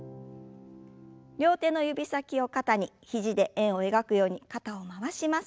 両手の指先を肩に肘で円を描くように肩を回します。